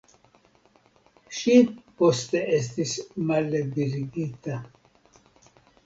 Ŝi poste estis malliberigita.